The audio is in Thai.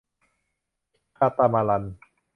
คาตามารัน